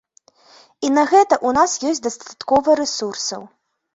І на гэта ў нас ёсць дастаткова рэсурсаў.